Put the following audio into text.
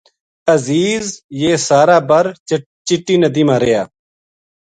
عزیز یہ سارا بر چٹی ندی ما رہیا